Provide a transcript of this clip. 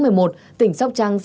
thành phố cần thơ tỉnh sóc trăng